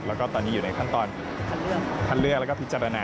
แล้วก็ตอนนี้อยู่ในขั้นตอนคัดเลือกแล้วก็พิจารณา